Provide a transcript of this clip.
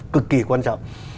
cực kỳ quan trọng